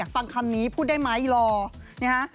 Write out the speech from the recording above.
ฟังคำนี้พูดได้ไหมรอนะฮะ